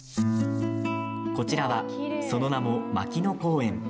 こちらは、その名も牧野公園。